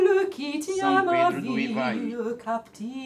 São Pedro do Ivaí